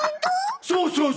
そうそう。